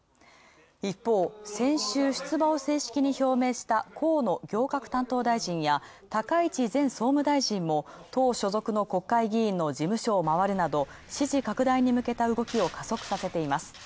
一方、先週出馬を正式に表明した河野行革担当大臣や高市前総務大臣も、党所属の国会議員の事務所を回るなど、支持拡大に向けた動きを加速させています。